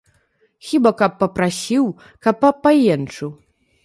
Хіба каб папрасіў, каб папаенчыў!